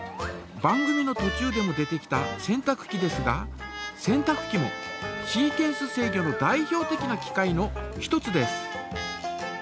番組のとちゅうでも出てきた洗濯機ですが洗濯機もシーケンス制御の代表的な機械の一つです。